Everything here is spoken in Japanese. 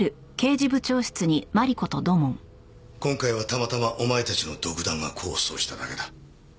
今回はたまたまお前たちの独断が功を奏しただけだ。